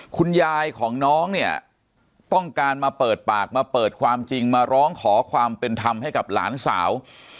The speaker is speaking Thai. คุณยายของน้องเนี่ยต้องการมาเปิดปากมาเปิดความจริงมาร้องขอความเป็นธรรมให้กับหลานสาว